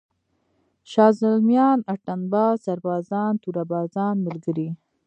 شازِلْمیان، اتڼ باز، سربازان، توره بازان ملګري!